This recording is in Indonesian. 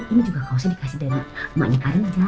ini juga kaosnya dikasih dari